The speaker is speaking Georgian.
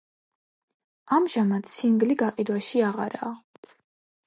ამჟამად სინგლი გაყიდვაში აღარაა.